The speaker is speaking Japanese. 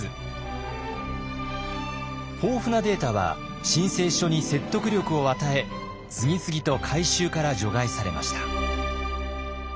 豊富なデータは申請書に説得力を与え次々と回収から除外されました。